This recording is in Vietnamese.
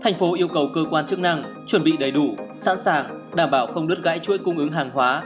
thành phố yêu cầu cơ quan chức năng chuẩn bị đầy đủ sẵn sàng đảm bảo không đứt gãy chuỗi cung ứng hàng hóa